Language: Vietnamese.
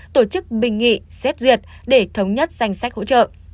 tổ chức bình nghị xét duyệt để thống nhất danh sách hỗ trợ